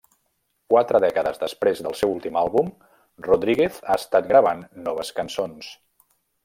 Quatre dècades després del seu últim àlbum, Rodríguez ha estat gravant noves cançons.